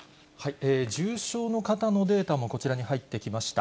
重症の方のデータもこちらに入ってきました。